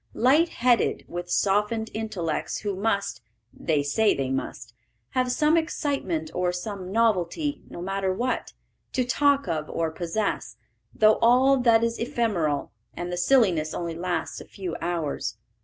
Light headed, with softened intellects who must they say they must have some excitement or some novelty, no matter what, to talk of or possess, though all this is ephemeral, and the silliness only lasts a few hours.